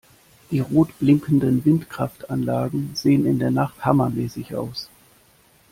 Die rot blinkenden Windkraftanlagen sehen in der Nacht hammermäßig aus!